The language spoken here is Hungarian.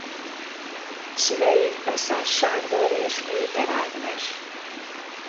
Szülei Kaszás Sándor és Péter Ágnes.